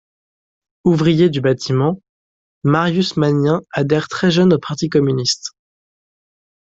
Ouvrier du bâtiment, Marius Magnien adhère très jeune au parti communiste.